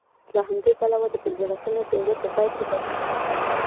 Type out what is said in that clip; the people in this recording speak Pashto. له همدې پلوه د پنځلسمې پېړۍ په پای کې بدلون راغی